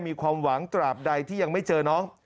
มีความหวังตราบใดที่ยังไม่เจอน้อง